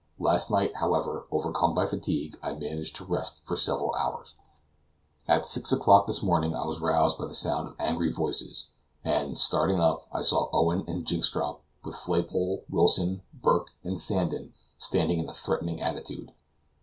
Last night, however, overcome by fatigue, I managed to rest for several hours. At six o'clock this morning I was roused by the sound of angry voices, and, starting up, I saw Owen and Jynxstrop, with Flaypole, Wilson, Burke, and Sandon, standing in a threatening attitude.